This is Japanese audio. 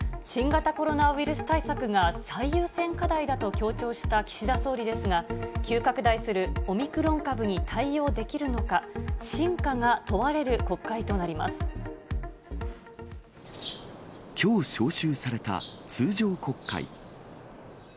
新型コロナウイルス対策が最優先課題だと強調した岸田総理ですが、急拡大するオミクロン株に対応できるのか、きょう召集された通常国会。